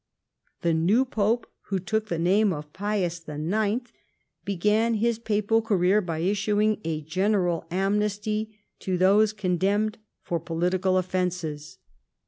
Tbe new Pope, who took tbe name of Pius IX., began his papal career by issuing a general amnesty to those condemned for political offences.